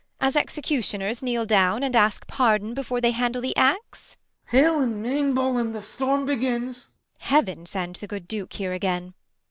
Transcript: As executioners kneel down and ask pardon Before they handle the axe ] Ben. Hale in Main Bolin ! the storm begins ! Beat. Heaven send the good Duke here again